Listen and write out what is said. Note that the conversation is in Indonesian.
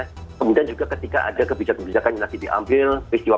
kemudian juga ketika ada kebijakan kebijakan yang lagi diambil